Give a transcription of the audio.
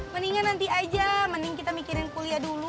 mendingan nanti aja mending kita mikirin kuliah dulu